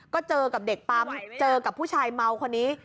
ก็เจอกับเด็กปั๊มเจอกับผู้ชายเมาคนนี้